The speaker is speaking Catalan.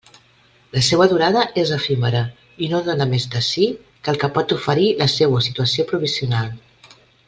La seua durada és efímera i no dóna més de si que el que pot oferir la seua situació provisional.